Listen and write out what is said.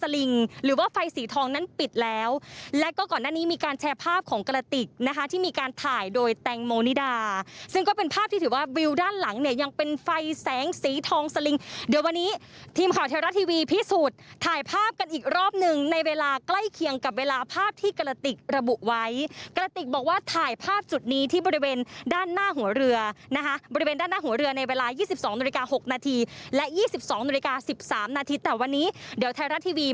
ลิดาซึ่งก็เป็นภาพที่ถือว่าวิวด้านหลังเนี่ยยังเป็นไฟแสงสีทองสลิงเดี๋ยววันนี้ทีมข่าวเทวราชทีวีพิสูจน์ถ่ายภาพกันอีกรอบหนึ่งในเวลาใกล้เคียงกับเวลาภาพที่กระติกระบุไว้กระติกบอกว่าถ่ายภาพจุดนี้ที่บริเวณด้านหน้าหัวเรือนะคะบริเวณด้านหน้าหัวเรือในเวลายี่ส